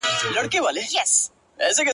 خدايه دا ټـپه مي په وجود كـي ده.